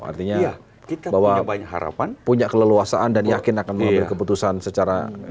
artinya bahwa punya keleluasan dan yakin akan mengambil keputusan secara dengan baik